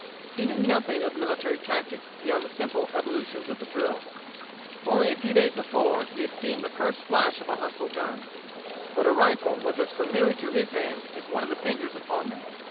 He knew nothing of military tactics beyond the simple evolutions of the drill. Only a few days before had he first seen the flash of a hostile gun. But a rifle was as familiar to his hands as one of the fingers upon them.